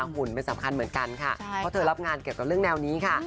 หุ่นเป็นสำคัญเหมือนกันค่ะเพราะเธอรับงานเกี่ยวกับเรื่องแนวนี้ค่ะ